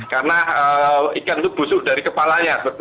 karena ikan itu busuk dari kepalanya